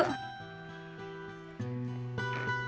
nih bang minum dulu